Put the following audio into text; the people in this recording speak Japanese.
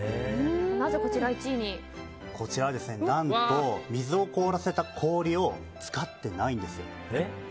こちら何と水を凍らせた氷を使ってないんですよ。